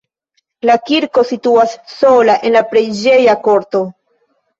La kirko situas sola en la preĝeja korto.